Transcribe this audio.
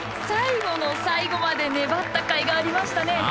最後の最後まで粘ったかいがありましたね。